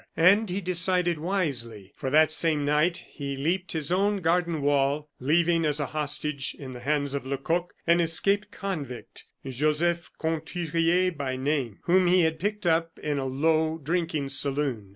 And he decided wisely, for that same night he leaped his own garden wall, leaving, as a hostage, in the hands of Lecoq, an escaped convict, Joseph Conturier by name, whom he had picked up in a low drinking saloon.